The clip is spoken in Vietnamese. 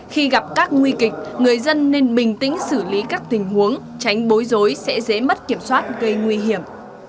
khi gặp các nguy kịch người dân nên bình tĩnh xử lý các tình huống tránh bối rối sẽ dễ mất kiểm soát gây nguy hiểm